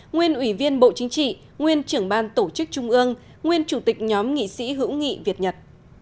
nguyên ủy viên bộ chính trị nguyên trưởng ban tổ chức trung ương nguyên chủ tịch nhóm nghị sĩ hữu nghị việt nhật